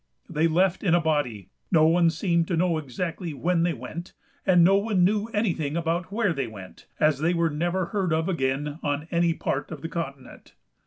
They left in a body; no one seemed to know exactly when they went, and no one knew anything about where they went, as they were never heard of again on any part of the continent.